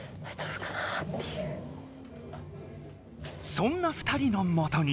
そんな２人のもとに。